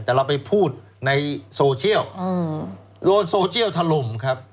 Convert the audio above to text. แต่เราไปพูดในโซเชียลโดนโซเชียลถล่มครับ